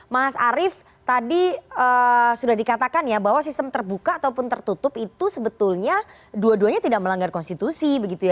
mas arief tadi sudah dikatakan ya bahwa sistem terbuka ataupun tertutup itu sebetulnya dua duanya tidak melanggar konstitusi begitu ya